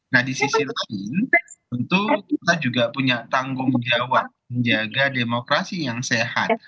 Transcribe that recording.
nah di sisi lain tentu kita juga punya tanggung jawab menjaga demokrasi yang sehat